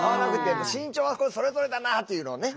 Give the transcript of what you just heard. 身長はこれそれぞれだなっていうのをね